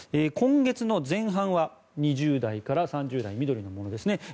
今月前半は２０代から３０代緑ものですね